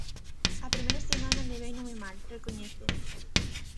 A primeira semana leveino moi mal, recoñece.